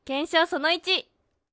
その１。